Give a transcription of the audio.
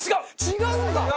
違うんだ！